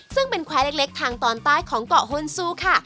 ซึ่งเป็นแควร์เล็กทางตอนใต้ของเกาะฮนซูค่ะ